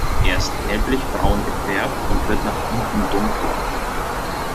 Er ist gelblich-braun gefärbt und wird nach unten dunkler.